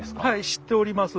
知っております。